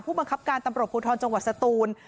บังคับการตำรวจภูทรจังหวัดสตูน